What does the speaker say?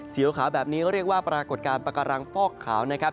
ขาวแบบนี้ก็เรียกว่าปรากฏการณ์ปากการังฟอกขาวนะครับ